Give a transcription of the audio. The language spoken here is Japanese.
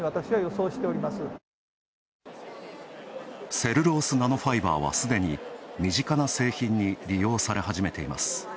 セルロースナノファイバーは、すでに身近な製品に利用され始めています。